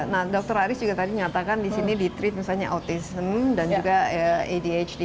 nah dr aris juga tadi nyatakan di sini di treat misalnya autism dan juga adhd